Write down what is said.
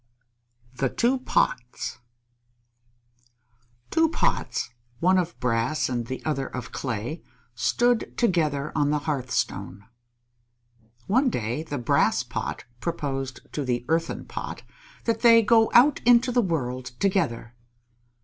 _ THE TWO POTS Two Pots, one of brass and the other of clay, stood together on the hearthstone. One day the Brass Pot proposed to the Earthen Pot that they go out into the world together.